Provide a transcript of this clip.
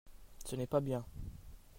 ce n'est pas bien.